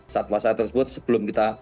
satwa sat tersebut sebelum kita